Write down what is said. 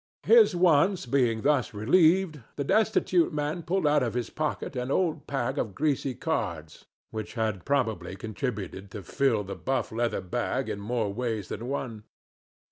His wants being thus relieved, the destitute man pulled out of his pocket an old pack of greasy cards which had probably contributed to fill the buff leather bag in more ways than one.